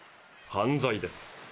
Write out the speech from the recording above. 犯罪です。